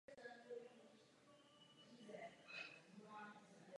Na ostrově je vlastní výroba elektrické energie diesel agregáty.